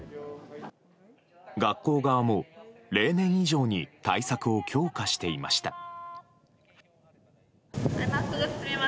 学校側も例年以上に対策を強化していました。